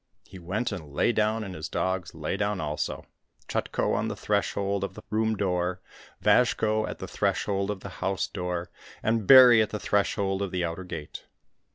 He went and lay down, and his dogs lay down also, Chutko on the threshold of the room door, Vazhko at the threshold of the house door, and Bary at the threshold of the outer gate.